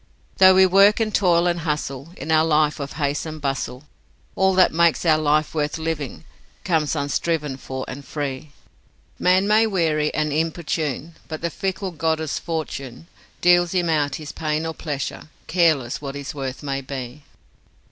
..... Though we work and toil and hustle in our life of haste and bustle, All that makes our life worth living comes unstriven for and free; Man may weary and importune, but the fickle goddess Fortune Deals him out his pain or pleasure, careless what his worth may be.